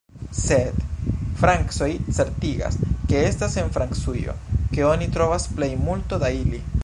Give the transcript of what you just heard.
Sed... francoj certigas ke estas en Francujo ke oni trovas plej multo da ili.